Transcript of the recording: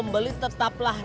anda nyebera tuh